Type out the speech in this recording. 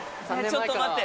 ちょっと待って。